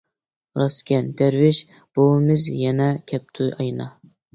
-راستكەن، دەرۋىش بوۋىمىز يەنە كەپتۇ ئاينا.